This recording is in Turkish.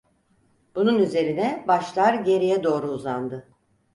Bunun üzerine başlar geriye doğru uzandı.